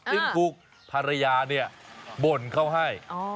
ถูกภรรยาเนี่ยบ่นเขาให้